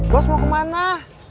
bos mau ke mana